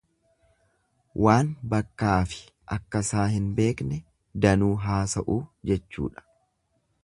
Waan bakkaafi akkasaa hin beekne danuu haasa'uu jechuudha.